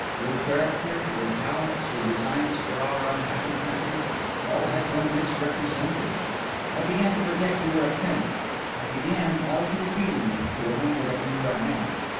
Your character, your talents, your designs for our unhappy country, all had been misrepresented. I began to forget you were a prince; I began, all too feelingly, to remember that you were a man.